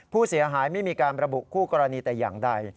ผู้เสียหายไม่มีการระบุคู่กรณีแต่อย่างใด